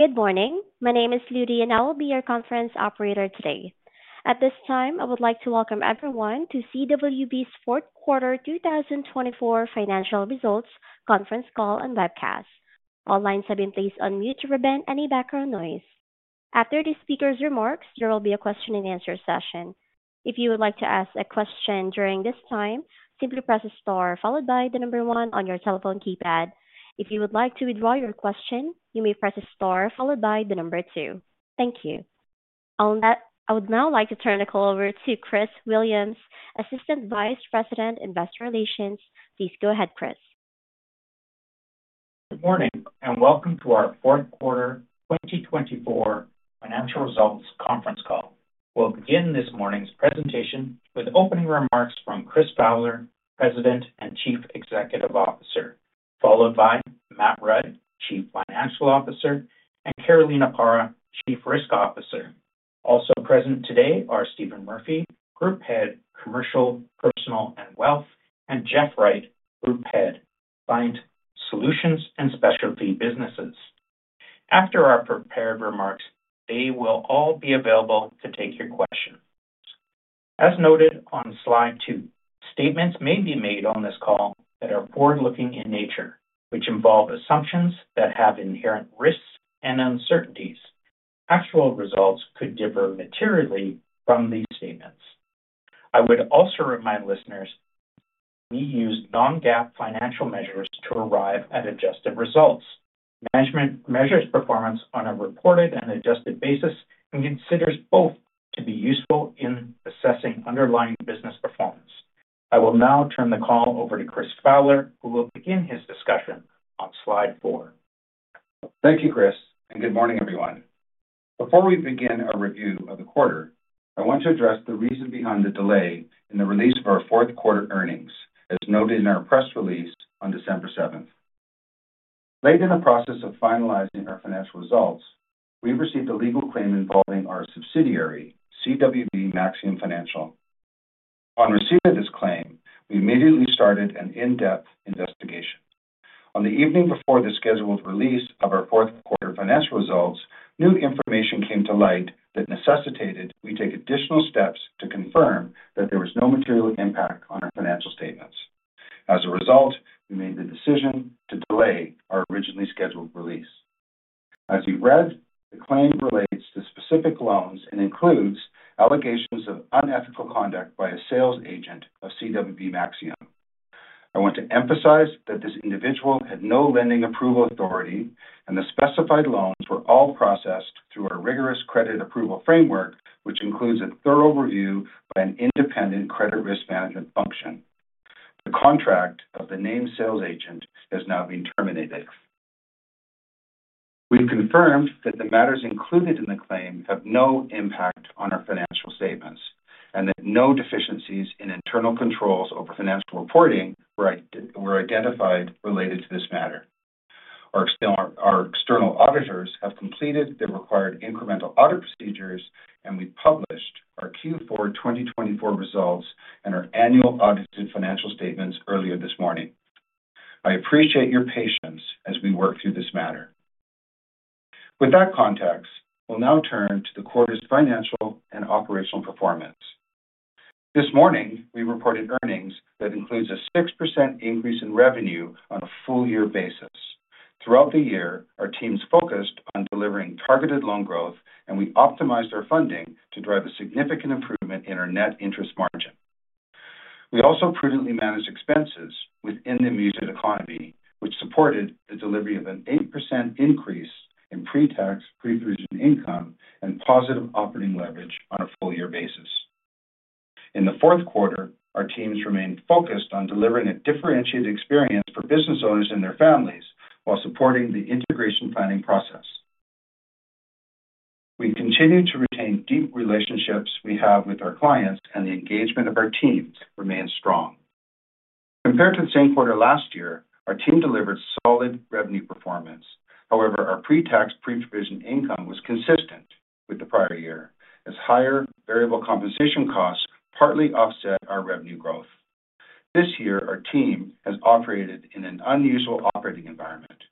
Good morning. My name is Ludi, and I will be your conference operator today. At this time, I would like to welcome everyone to CWB's fourth quarter 2024 financial results conference call and webcast. All lines have been placed on mute to prevent any background noise. After the speaker's remarks, there will be a question-and-answer session. If you would like to ask a question during this time, simply press a star followed by the number one on your telephone keypad. If you would like to withdraw your question, you may press a star followed by the number two. Thank you. I would now like to turn the call over to Chris Williams, Assistant Vice President, Investor Relations. Please go ahead, Chris. Good morning, and welcome to our fourth quarter 2024 financial results conference call. We'll begin this morning's presentation with opening remarks from Chris Fowler, President and Chief Executive Officer, followed by Matt Rudd, Chief Financial Officer, and Carolina Parra, Chief Risk Officer. Also present today are Stephen Murphy, Group Head, Commercial, Personal, and Wealth, and Jeff Wright, Group Head, Client Solutions and Specialty Businesses. After our prepared remarks, they will all be available to take your questions. As noted on slide two, statements may be made on this call that are forward-looking in nature, which involve assumptions that have inherent risks and uncertainties. Actual results could differ materially from these statements. I would also remind listeners that we use non-GAAP financial measures to arrive at adjusted results. Management measures performance on a reported and adjusted basis and considers both to be useful in assessing underlying business performance. I will now turn the call over to Chris Fowler, who will begin his discussion on slide four. Thank you Chris and good morning, everyone. Before we begin our review of the quarter, I want to address the reason behind the delay in the release of our fourth quarter earnings, as noted in our press release on December 7th. Late in the process of finalizing our financial results, we received a legal claim involving our subsidiary, CWB Maxium Financial. Upon receipt of this claim, we immediately started an in-depth investigation. On the evening before the scheduled release of our fourth quarter financial results, new information came to light that necessitated we take additional steps to confirm that there was no material impact on our financial statements. As a result, we made the decision to delay our originally scheduled release. As you've read, the claim relates to specific loans and includes allegations of unethical conduct by a sales agent of CWB Maxium. I want to emphasize that this individual had no lending approval authority, and the specified loans were all processed through a rigorous credit approval framework, which includes a thorough review by an independent credit risk management function. The contract of the named sales agent has now been terminated. We've confirmed that the matters included in the claim have no impact on our financial statements and that no deficiencies in internal controls over financial reporting were identified related to this matter. Our external auditors have completed the required incremental audit procedures, and we published our Q4 2024 results and our annual audited financial statements earlier this morning. I appreciate your patience as we work through this matter. With that context, we'll now turn to the quarter's financial and operational performance. This morning, we reported earnings that include a 6% increase in revenue on a full-year basis. Throughout the year, our teams focused on delivering targeted loan growth, and we optimized our funding to drive a significant improvement in our net interest margin. We also prudently managed expenses within the muted economy, which supported the delivery of an 8% increase in pre-tax, pre-provision income, and positive operating leverage on a full-year basis. In the fourth quarter, our teams remained focused on delivering a differentiated experience for business owners and their families while supporting the integration planning process. We continue to retain deep relationships we have with our clients, and the engagement of our teams remains strong. Compared to the same quarter last year, our team delivered solid revenue performance. However, our pre-tax, pre-provision income was consistent with the prior year, as higher variable compensation costs partly offset our revenue growth. This year, our team has operated in an unusual operating environment,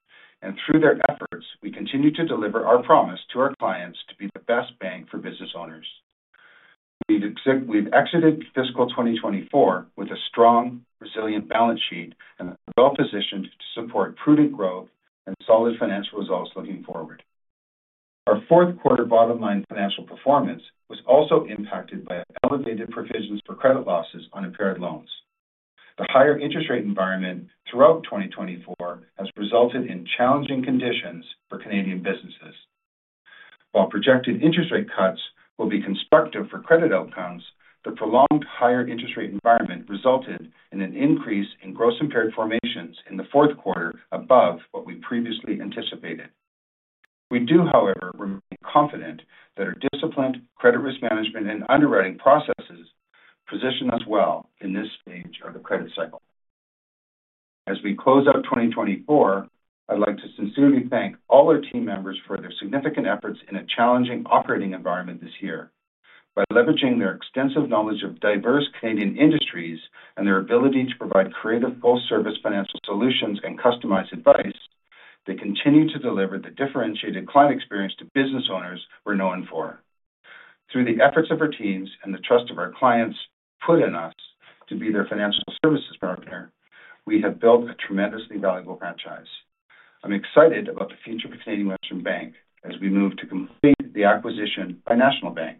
and through their efforts, we continue to deliver our promise to our clients to be the best bank for business owners. We've exited fiscal 2024 with a strong, resilient balance sheet and are well-positioned to support prudent growth and solid financial results looking forward. Our fourth quarter bottom-line financial performance was also impacted by elevated provisions for credit losses on impaired loans. The higher interest rate environment throughout 2024 has resulted in challenging conditions for Canadian businesses. While projected interest rate cuts will be constructive for credit outcomes, the prolonged higher interest rate environment resulted in an increase in gross impaired formations in the fourth quarter above what we previously anticipated. We do, however, remain confident that our disciplined credit risk management and underwriting processes position us well in this stage of the credit cycle. As we close out 2024, I'd like to sincerely thank all our team members for their significant efforts in a challenging operating environment this year. By leveraging their extensive knowledge of diverse Canadian industries and their ability to provide creative full-service financial solutions and customized advice, they continue to deliver the differentiated client experience that business owners were known for. Through the efforts of our teams and the trust of our clients put in us to be their financial services partner, we have built a tremendously valuable franchise. I'm excited about the future of Canadian Western Bank as we move to complete the acquisition by National Bank.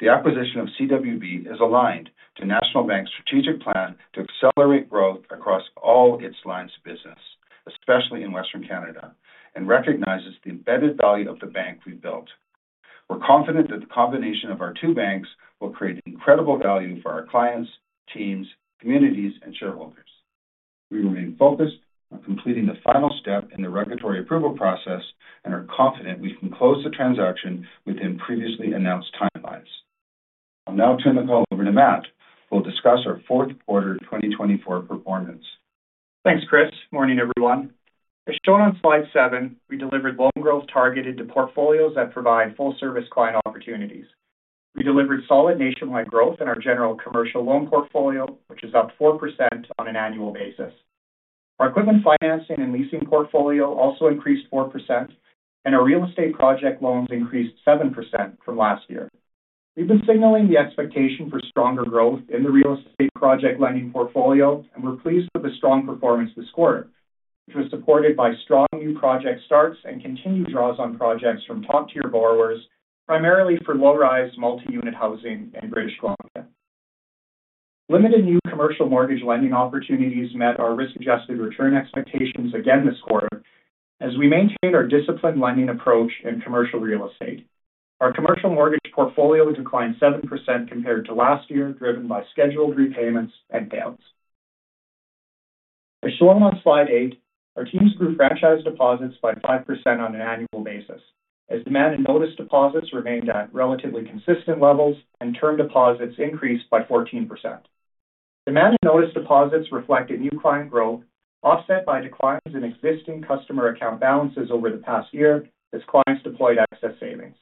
The acquisition of CWB is aligned to National Bank's strategic plan to accelerate growth across all its lines of business, especially in Western Canada, and recognizes the embedded value of the bank we've built. We're confident that the combination of our two banks will create incredible value for our clients, teams, communities, and shareholders. We remain focused on completing the final step in the regulatory approval process and are confident we can close the transaction within previously announced timelines. I'll now turn the call over to Matt, who will discuss our fourth quarter 2024 performance. Thanks Chris. Morning, everyone. As shown on slide seven, we delivered loan growth targeted to portfolios that provide full-service client opportunities. We delivered solid nationwide growth in our general commercial loan portfolio, which is up 4% on an annual basis. Our equipment financing and leasing portfolio also increased 4%, and our real estate project loans increased 7% from last year. We've been signaling the expectation for stronger growth in the real estate project lending portfolio, and we're pleased with the strong performance this quarter, which was supported by strong new project starts and continued draws on projects from top-tier borrowers, primarily for low-rise multi-unit housing in British Columbia. Limited new commercial mortgage lending opportunities met our risk-adjusted return expectations again this quarter as we maintained our disciplined lending approach in commercial real estate. Our commercial mortgage portfolio declined 7% compared to last year, driven by scheduled repayments and payouts. As shown on slide eight, our teams grew franchise deposits by 5% on an annual basis as demand and notice deposits remained at relatively consistent levels and term deposits increased by 14%. Demand and notice deposits reflected new client growth, offset by declines in existing customer account balances over the past year as clients deployed excess savings.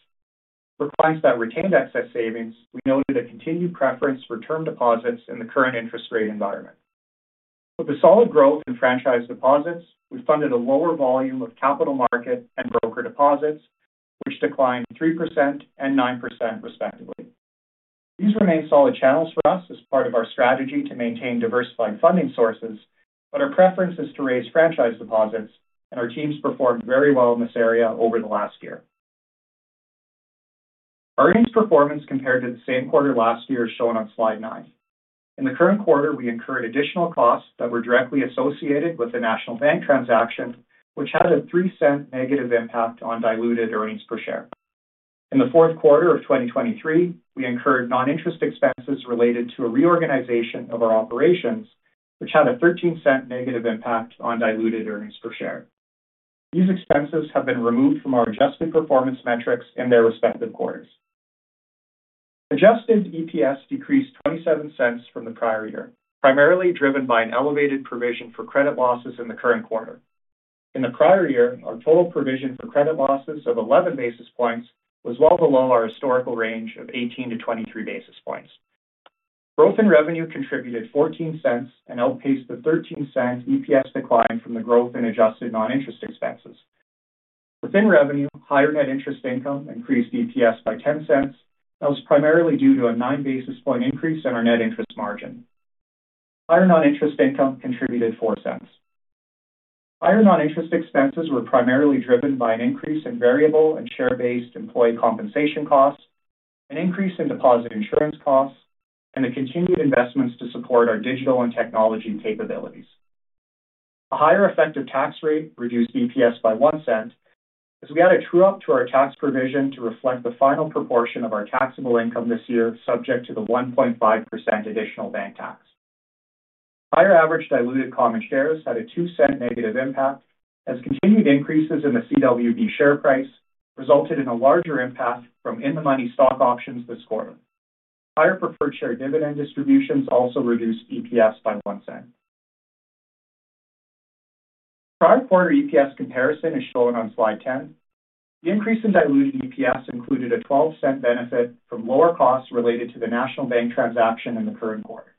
For clients that retained excess savings, we noted a continued preference for term deposits in the current interest rate environment. With the solid growth in franchise deposits, we funded a lower volume of capital market and broker deposits, which declined 3% and 9%, respectively. These remain solid channels for us as part of our strategy to maintain diversified funding sources, but our preference is to raise franchise deposits, and our teams performed very well in this area over the last year. Our earnings performance compared to the same quarter last year is shown on slide nine. In the current quarter, we incurred additional costs that were directly associated with the National Bank transaction, which had a 0.03 negative impact on diluted earnings per share. In the fourth quarter of 2023, we incurred non-interest expenses related to a reorganization of our operations, which had a 0.13 negative impact on diluted earnings per share. These expenses have been removed from our adjusted performance metrics in their respective quarters. Adjusted EPS decreased 0.27 from the prior year, primarily driven by an elevated provision for credit losses in the current quarter. In the prior year, our total provision for credit losses of 11 basis points was well below our historical range of 18 to 23 basis points. Growth in revenue contributed 0.14 and outpaced the 0.13 EPS decline from the growth in adjusted non-interest expenses. Within revenue, higher net interest income increased EPS by 0.10 and was primarily due to a 9 basis point increase in our net interest margin. Higher non-interest income contributed 0.04. Higher non-interest expenses were primarily driven by an increase in variable and share-based employee compensation costs, an increase in deposit insurance costs, and the continued investments to support our digital and technology capabilities. A higher effective tax rate reduced EPS by 0.01 as we added true-up to our tax provision to reflect the final proportion of our taxable income this year, subject to the 1.5% additional bank tax. Higher average diluted common shares had a 0.02 negative impact as continued increases in the CWB share price resulted in a larger impact from in-the-money stock options this quarter. Higher preferred share dividend distributions also reduced EPS by one cent. The prior quarter EPS comparison is shown on slide 10. The increase in diluted EPS included a 12-cent benefit from lower costs related to the National Bank transaction in the current quarter.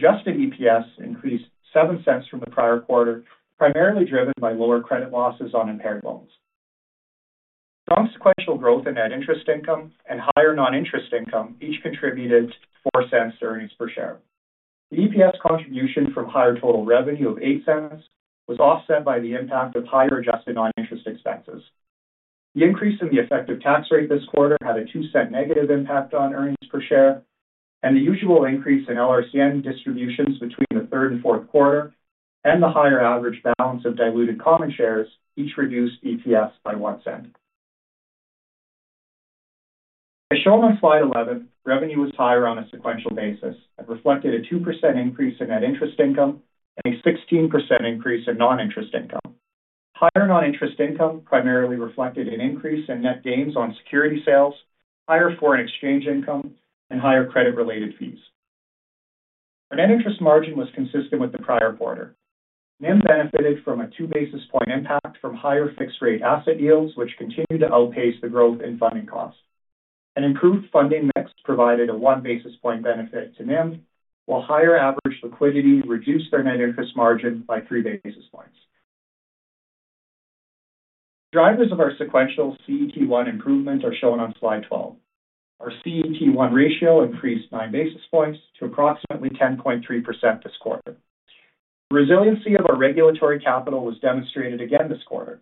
Adjusted EPS increased seven cents from the prior quarter, primarily driven by lower credit losses on impaired loans. Strong sequential growth in net interest income and higher non-interest income each contributed four cents to earnings per share. The EPS contribution from higher total revenue of eight cents was offset by the impact of higher adjusted non-interest expenses. The increase in the effective tax rate this quarter had a two cent negative impact on earnings per share, and the usual increase in LRCN distributions between the third and fourth quarter and the higher average balance of diluted common shares each reduced EPS by one cent. As shown on slide 11, revenue was higher on a sequential basis and reflected a 2% increase in net interest income and a 16% increase in non-interest income. Higher non-interest income primarily reflected an increase in net gains on security sales, higher foreign exchange income, and higher credit-related fees. Our net interest margin was consistent with the prior quarter. NIM benefited from a 2 basis point impact from higher fixed-rate asset yields, which continued to outpace the growth in funding costs. An improved funding mix provided a 1 basis point benefit to NIM, while higher average liquidity reduced their net interest margin by 3 basis points. The drivers of our sequential CET1 improvement are shown on slide 12. Our CET1 ratio increased 9 basis points to approximately 10.3% this quarter. The resiliency of our regulatory capital was demonstrated again this quarter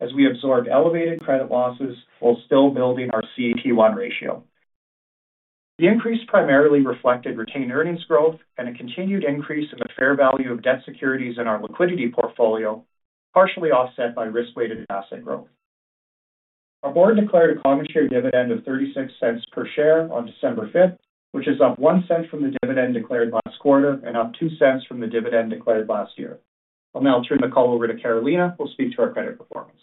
as we absorbed elevated credit losses while still building our CET1 ratio. The increase primarily reflected retained earnings growth and a continued increase in the fair value of debt securities in our liquidity portfolio, partially offset by risk-weighted asset growth. Our board declared a common share dividend of 0.36 per share on December 5th, which is up 0.01 from the dividend declared last quarter and up 0.02 from the dividend declared last year. I'll now turn the call over to Carolina, who will speak to our credit performance.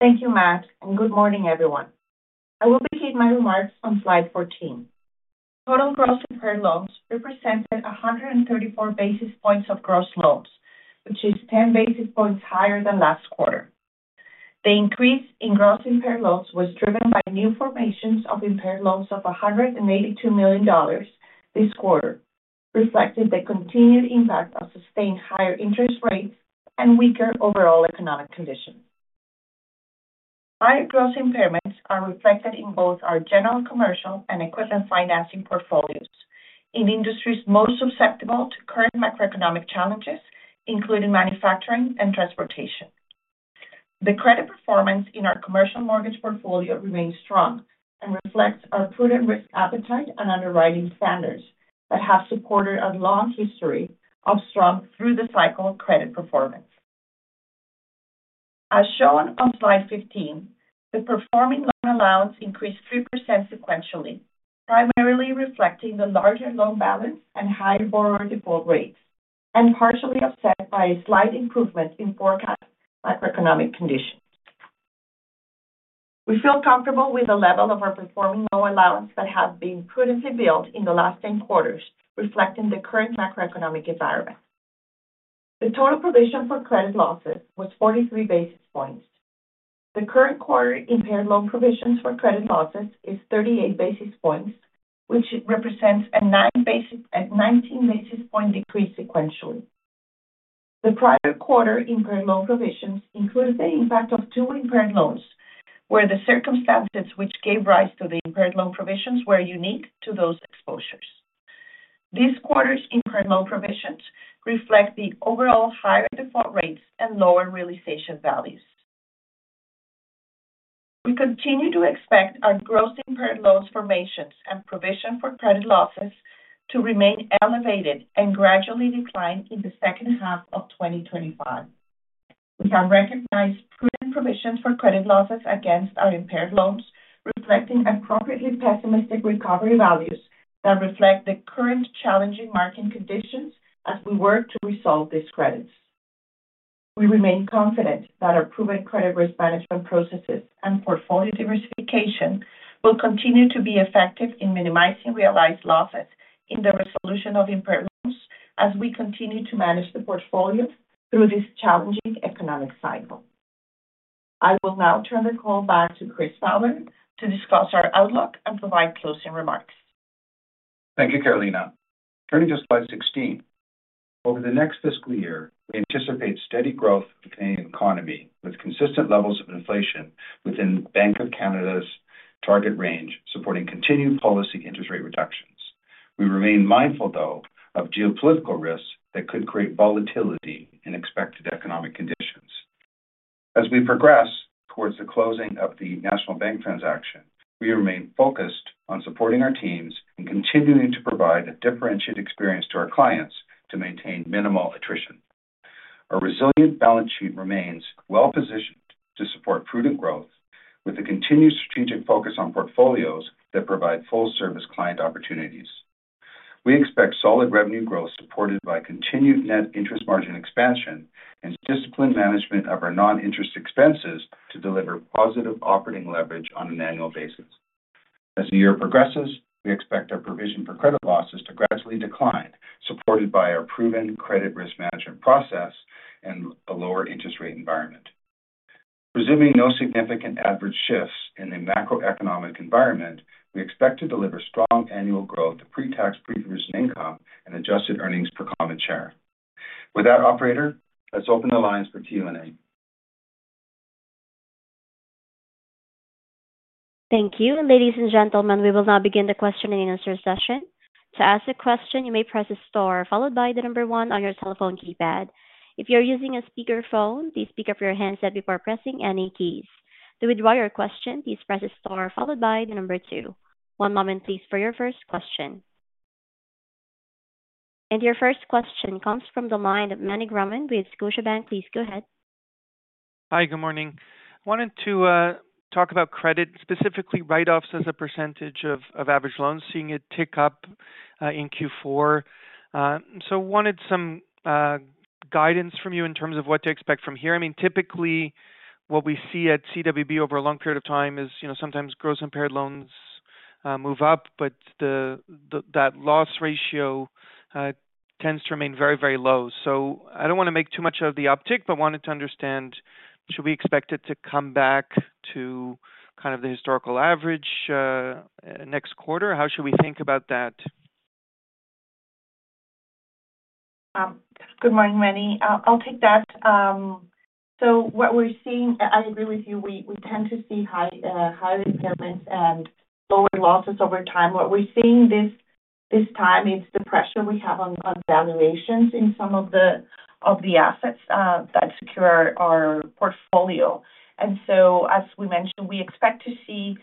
Thank you Matt, and good morning, everyone. I will repeat my remarks on slide 14. Total gross impaired loans represented 134 basis points of gross loans, which is 10 basis points higher than last quarter. The increase in gross impaired loans was driven by new formations of impaired loans of 182 million dollars this quarter, reflecting the continued impact of sustained higher interest rates and weaker overall economic conditions. Higher gross impairments are reflected in both our general commercial and equipment financing portfolios, in industries most susceptible to current macroeconomic challenges, including manufacturing and transportation. The credit performance in our commercial mortgage portfolio remains strong and reflects our prudent risk appetite and underwriting standards that have supported a long history of strong through-the-cycle credit performance. As shown on slide 15, the performing loan allowance increased 3% sequentially, primarily reflecting the larger loan balance and higher borrower default rates, and partially offset by a slight improvement in forecast macroeconomic conditions. We feel comfortable with the level of our performing loan allowance that has been prudently built in the last 10 quarters, reflecting the current macroeconomic environment. The total provision for credit losses was 43 basis points. The current quarter impaired loan provisions for credit losses is 38 basis points, which represents a 19-basis-point decrease sequentially. The prior quarter impaired loan provisions included the impact of two impaired loans, where the circumstances which gave rise to the impaired loan provisions were unique to those exposures. This quarter's impaired loan provisions reflect the overall higher default rates and lower realization values. We continue to expect our gross impaired loans formations and provision for credit losses to remain elevated and gradually decline in the second half of 2025. We have recognized prudent provisions for credit losses against our impaired loans, reflecting appropriately pessimistic recovery values that reflect the current challenging market conditions as we work to resolve these credits. We remain confident that our proven credit risk management processes and portfolio diversification will continue to be effective in minimizing realized losses in the resolution of impaired loans as we continue to manage the portfolio through this challenging economic cycle. I will now turn the call back to Chris Fowler to discuss our outlook and provide closing remarks. Thank you Carolina. Turning to slide 16, over the next fiscal year, we anticipate steady growth of the Canadian economy with consistent levels of inflation within Bank of Canada's target range, supporting continued policy interest rate reductions. We remain mindful, though, of geopolitical risks that could create volatility in expected economic conditions. As we progress towards the closing of the National Bank transaction, we remain focused on supporting our teams and continuing to provide a differentiated experience to our clients to maintain minimal attrition. Our resilient balance sheet remains well-positioned to support prudent growth, with a continued strategic focus on portfolios that provide full-service client opportunities. We expect solid revenue growth supported by continued net interest margin expansion and disciplined management of our non-interest expenses to deliver positive operating leverage on an annual basis. As the year progresses, we expect our provision for credit losses to gradually decline, supported by our proven credit risk management process and a lower interest rate environment. Presuming no significant adverse shifts in the macroeconomic environment, we expect to deliver strong annual growth to pre-tax, pre-provision income and adjusted earnings per common share. With that, operator, let's open the lines for Q&A. Thank you. Ladies and gentlemen, we will now begin the question and answer session. To ask a question, you may press a star, followed by the number one on your telephone keypad. If you're using a speakerphone, please pick up your handset before pressing any keys. To withdraw your question, please press a star, followed by the number two. One moment, please, for your first question, and your first question comes from the line of Meny Grauman with Scotiabank. Please go ahead. Hi, good morning. Wanted to talk about credit, specifically write-offs as a percentage of average loans, seeing it tick up in Q4. So wanted some guidance from you in terms of what to expect from here. I mean, typically, what we see at CWB over a long period of time is, you know, sometimes gross impaired loans move up, but that loss ratio tends to remain very, very low. So I don't want to make too much of the optic, but wanted to understand, should we expect it to come back to kind of the historical average next quarter? How should we think about that? Good morning, Meny. I'll take that. So what we're seeing, I agree with you, we tend to see higher impairments and lower losses over time. What we're seeing this time, it's the pressure we have on valuations in some of the assets that secure our portfolio. And so, as we mentioned, we expect to see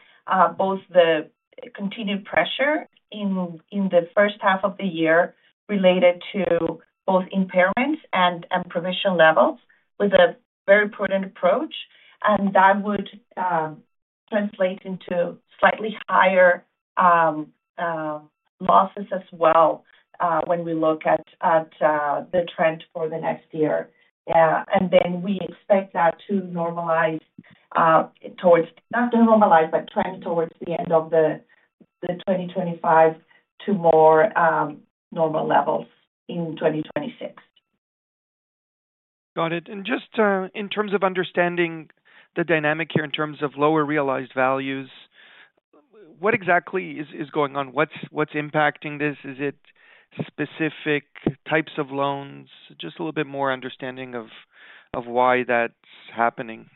both the continued pressure in the first half of the year related to both impairments and provision levels with a very prudent approach, and that would translate into slightly higher losses as well when we look at the trend for the next year. And then we expect that to normalize towards, not to normalize, but trend towards the end of the 2025 to more normal levels in 2026. Got it. And just in terms of understanding the dynamic here in terms of lower realized values, what exactly is going on? What's impacting this? Is it specific types of loans? Just a little bit more understanding of why that's happening.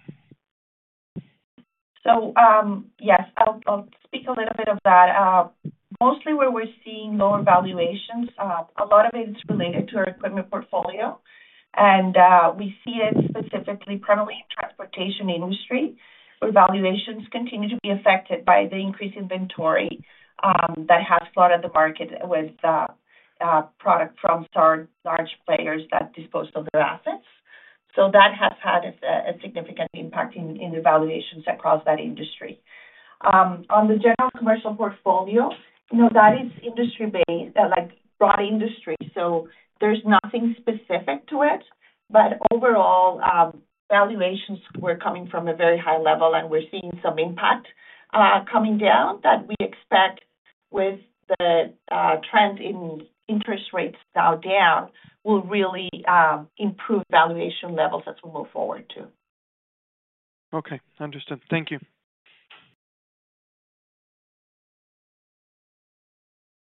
Yes, I'll speak a little bit of that. Mostly where we're seeing lower valuations, a lot of it is related to our equipment portfolio, and we see it specifically primarily in the transportation industry, where valuations continue to be affected by the increased inventory that has flooded the market with product from large players that dispose of their assets. So that has had a significant impact in the valuations across that industry. On the general commercial portfolio, you know, that is industry-based, like broad industry, so there's nothing specific to it, but overall, valuations were coming from a very high level, and we're seeing some impact coming down, that we expect with the trend in interest rates now down will really improve valuation levels as we move forward too. Okay. Understood. Thank you.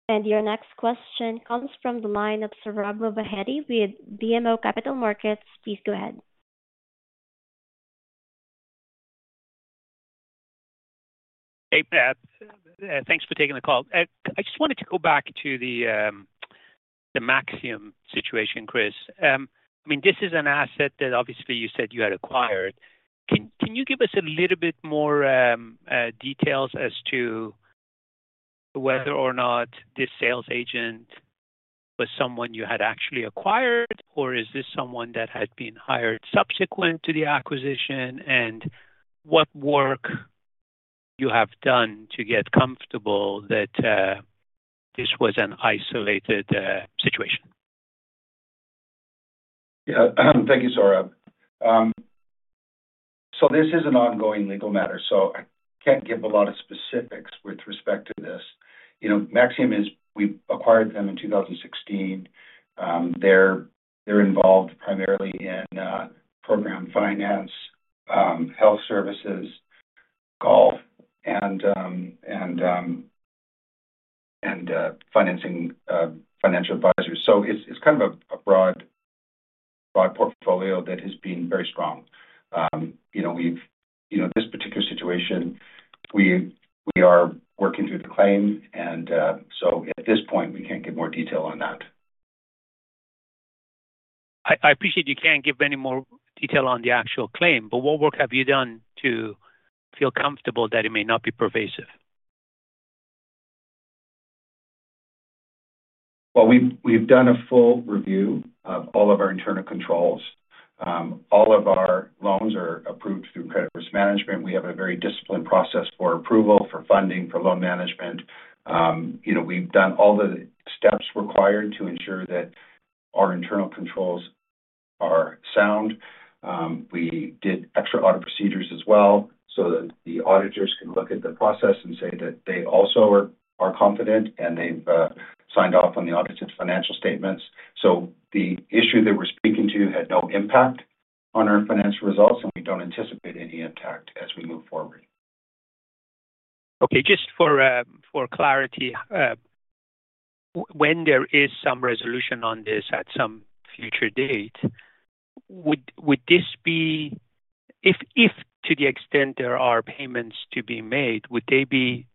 Your next question comes from the line of Sohrab Movahedi with BMO Capital Markets. Please go ahead. Hey Matt. Thanks for taking the call. I just wanted to go back to the Maxium situation, Chris. I mean, this is an asset that obviously you said you had acquired. Can you give us a little bit more details as to whether or not this sales agent was someone you had actually acquired, or is this someone that had been hired subsequent to the acquisition? And what work did you have done to get comfortable that this was an isolated situation? Yeah. Thank you Sohrab. So this is an ongoing legal matter, so I can't give a lot of specifics with respect to this. You know, Maxim is—we acquired them in 2016. They're involved primarily in program finance, health services, golf, and financing financial advisors. So it's kind of a broad portfolio that has been very strong. You know, this particular situation, we are working through the claim, and so at this point, we can't give more detail on that. I appreciate you can't give any more detail on the actual claim, but what work have you done to feel comfortable that it may not be pervasive? We've done a full review of all of our internal controls. All of our loans are approved through credit risk management. We have a very disciplined process for approval, for funding, for loan management. You know, we've done all the steps required to ensure that our internal controls are sound. We did extra audit procedures as well so that the auditors can look at the process and say that they also are confident, and they've signed off on the audited financial statements, so the issue that we're speaking to had no impact on our financial results, and we don't anticipate any impact as we move forward. Okay. Just for clarity, when there is some resolution on this at some future date, would this be, if to the extent there are payments to be made, would they be,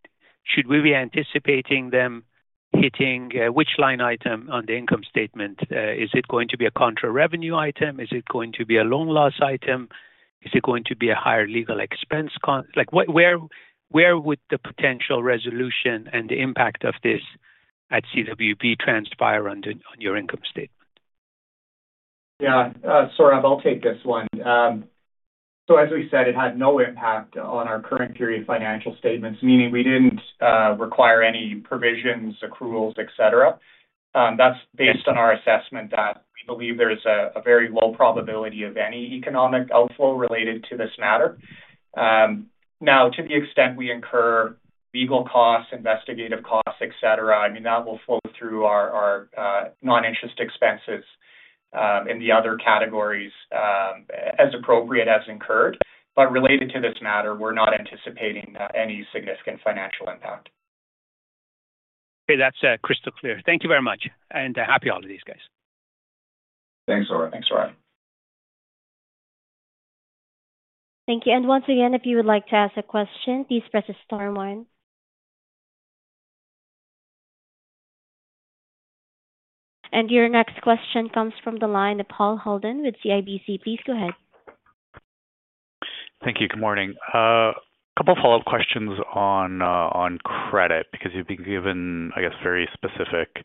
should we be anticipating them hitting which line item on the income statement? Is it going to be a contra revenue item? Is it going to be a loan loss item? Is it going to be a higher legal expense? Like, where would the potential resolution and the impact of this at CWB transpire on your income statement? Yeah. Sarah, I'll take this one. So as we said, it had no impact on our current period financial statements, meaning we didn't require any provisions, accruals, etc. That's based on our assessment that we believe there is a very low probability of any economic outflow related to this matter. Now, to the extent we incur legal costs, investigative costs, etc., I mean, that will flow through our non-interest expenses in the other categories as appropriate as incurred. But related to this matter, we're not anticipating any significant financial impact. Okay. That's crystal clear. Thank you very much, and happy holidays, guys. Thanks, Sarah. Thank you. And once again, if you would like to ask a question, please press a star one. And your next question comes from the line of Paul Holden with CIBC. Please go ahead. Thank you. Good morning. A couple of follow-up questions on credit because you've been given, I guess, very specific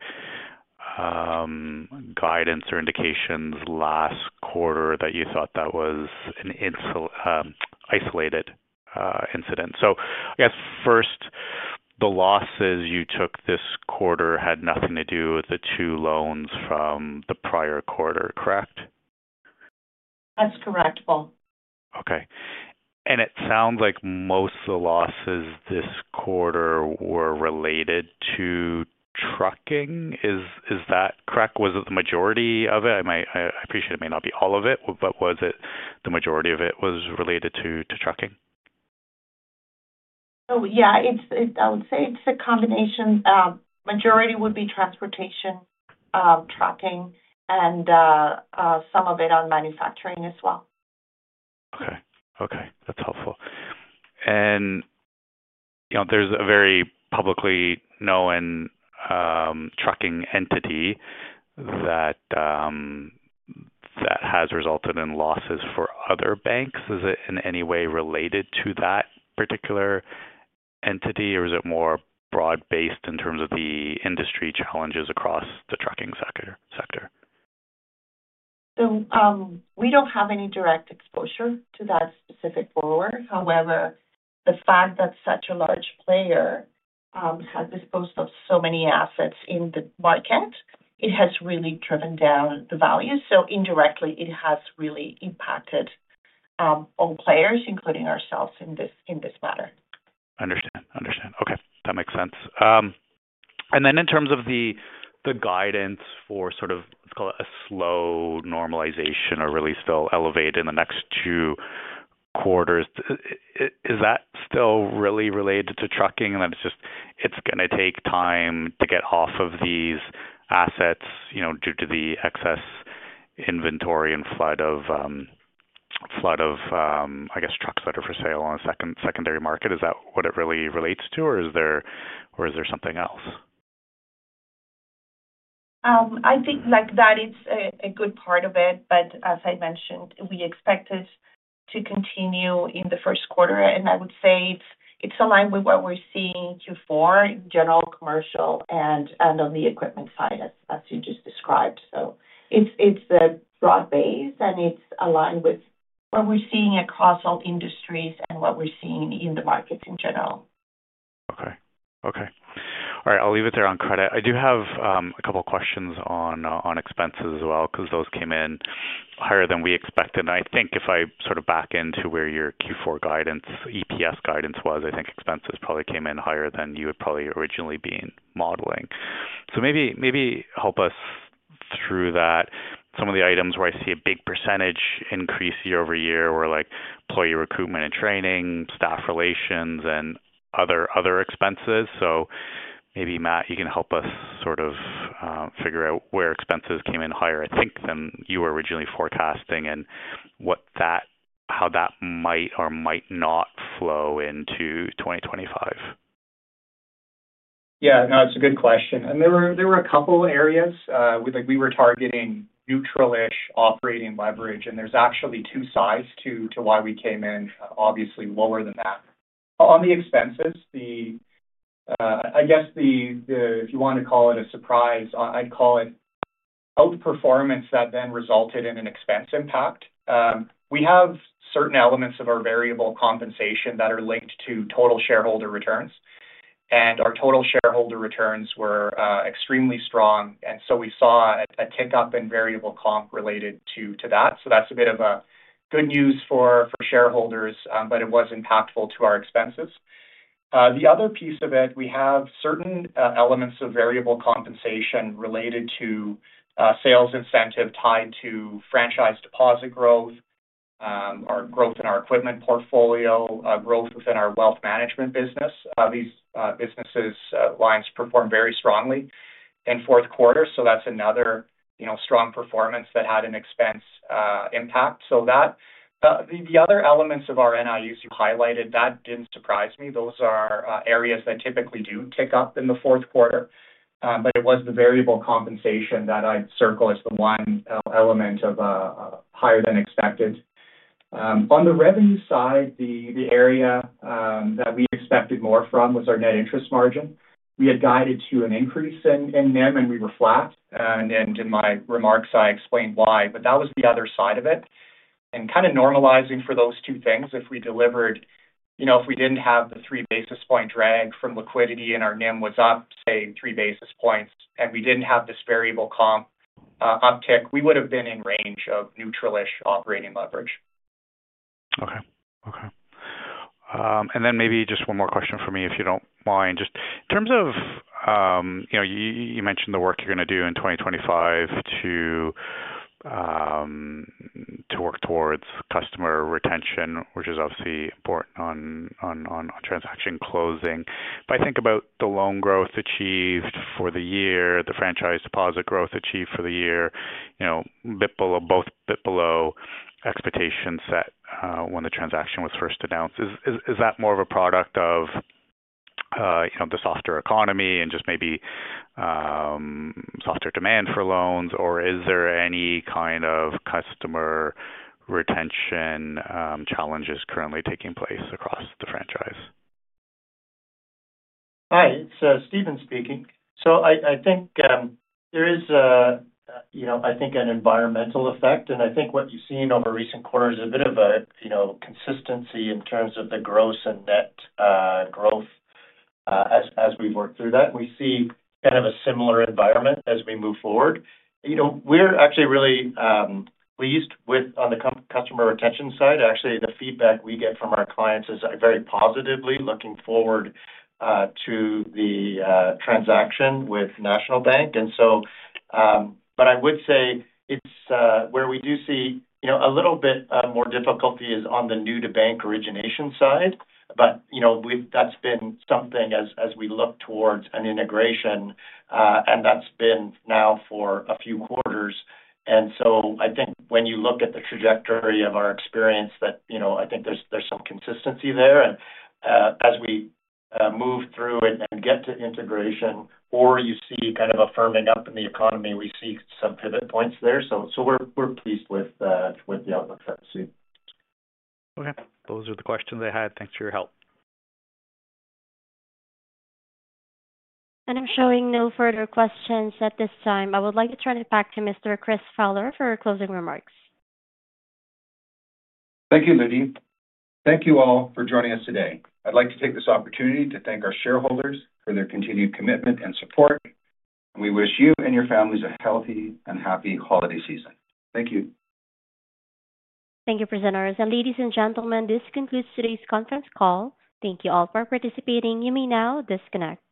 guidance or indications last quarter that you thought that was an isolated incident. So I guess first, the losses you took this quarter had nothing to do with the two loans from the prior quarter, correct? That's correct, Paul. Okay. And it sounds like most of the losses this quarter were related to trucking. Is that correct? Was it the majority of it? I appreciate it may not be all of it, but was it the majority of it was related to trucking? Yeah, I would say it's a combination. Majority would be transportation, trucking, and some of it on manufacturing as well. Okay. Okay. That's helpful. And there's a very publicly known trucking entity that has resulted in losses for other banks. Is it in any way related to that particular entity, or is it more broad-based in terms of the industry challenges across the trucking sector? So we don't have any direct exposure to that specific borrower. However, the fact that such a large player has disposed of so many assets in the market, it has really driven down the value. So indirectly, it has really impacted all players, including ourselves in this matter. Understood. Okay. That makes sense. And then in terms of the guidance for sort of, let's call it a slow normalization or really still elevated in the next two quarters, is that still really related to trucking and that it's just, it's going to take time to get off of these assets, you know, due to the excess inventory and flood of, I guess, trucks that are for sale on the secondary market? Is that what it really relates to, or is there something else? I think that it's a good part of it, but as I mentioned, we expect it to continue in the first quarter, and I would say it's aligned with what we're seeing Q4 in general commercial and on the equipment side, as you just described, so it's a broad base, and it's aligned with what we're seeing across all industries and what we're seeing in the markets in general. Okay. Okay. All right. I'll leave it there on credit. I do have a couple of questions on expenses as well because those came in higher than we expected, and I think if I sort of back into where your Q4 guidance, EPS guidance was, I think expenses probably came in higher than you had probably originally been modeling, so maybe help us through that. Some of the items where I see a big percentage increase year over year were like employee recruitment and training, staff relations, and other expenses, so maybe, Matt, you can help us sort of figure out where expenses came in higher, I think, than you were originally forecasting and how that might or might not flow into 2025. Yeah. No, it's a good question, and there were a couple of areas we were targeting neutralish operating leverage, and there's actually two sides to why we came in obviously lower than that. On the expenses, I guess if you want to call it a surprise, I'd call it outperformance that then resulted in an expense impact. We have certain elements of our variable compensation that are linked to total shareholder returns, and our total shareholder returns were extremely strong, and so we saw a tick up in variable comp related to that, so that's a bit of good news for shareholders, but it was impactful to our expenses. The other piece of it, we have certain elements of variable compensation related to sales incentive tied to franchise deposit growth, our growth in our equipment portfolio, growth within our wealth management business. These businesses' lines perform very strongly in fourth quarter, so that's another strong performance that had an expense impact. So the other elements of our NIUs you highlighted, that didn't surprise me. Those are areas that typically do tick up in the fourth quarter, but it was the variable compensation that I'd circle as the one element of higher than expected. On the revenue side, the area that we expected more from was our net interest margin. We had guided to an increase in NIM, and we were flat. And in my remarks, I explained why, but that was the other side of it. And kind of normalizing for those two things, if we delivered, you know, if we didn't have the three basis point drag from liquidity and our NIM was up, say, three basis points, and we didn't have this variable comp uptick, we would have been in range of neutralish operating leverage. Okay. Okay. And then maybe just one more question for me, if you don't mind. Just in terms of, you know, you mentioned the work you're going to do in 2025 to work towards customer retention, which is obviously important on transaction closing. If I think about the loan growth achieved for the year, the franchise deposit growth achieved for the year, you know, both a bit below expectations set when the transaction was first announced, is that more of a product of, you know, the softer economy and just maybe softer demand for loans, or is there any kind of customer retention challenges currently taking place across the franchise? Hi, it's Stephen speaking, so I think there is, you know, I think an environmental effect, and I think what you've seen over recent quarters is a bit of a, you know, consistency in terms of the gross and net growth as we've worked through that. We see kind of a similar environment as we move forward. You know, we're actually really pleased with, on the customer retention side, actually the feedback we get from our clients is very positively looking forward to the transaction with National Bank, and so, but I would say it's where we do see, you know, a little bit more difficulty is on the new-to-bank origination side, but, you know, that's been something as we look towards an integration, and that's been now for a few quarters. And so I think when you look at the trajectory of our experience, that, you know, I think there's some consistency there. And as we move through it and get to integration, or you see kind of a firming up in the economy, we see some pivot points there. So we're pleased with the outlook that we see. Okay. Those are the questions I had. Thanks for your help. I'm showing no further questions at this time. I would like to turn it back to Mr. Chris Fowler for closing remarks. Thank you, Ludi. Thank you all for joining us today. I'd like to take this opportunity to thank our shareholders for their continued commitment and support. We wish you and your families a healthy and happy holiday season. Thank you. Thank you, presenters. Ladies and gentlemen, this concludes today's conference call. Thank you all for participating. You may now disconnect.